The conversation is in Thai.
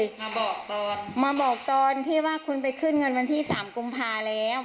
มาบอกตอนมาบอกตอนที่ว่าคุณไปขึ้นเงินวันที่สามกุมภาแล้ว